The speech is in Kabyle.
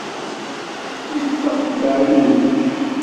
Yettaf-d leɛyub i kullec.